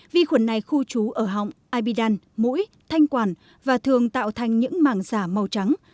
vi khuẩn này khu trú ở họng ibidan mũi thanh quản và thường tạo thành những màng giả màu trắng